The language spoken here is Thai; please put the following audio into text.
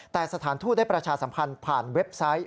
แต่สถานทูตได้ประชาสัมพันธ์ผ่านเว็บไซต์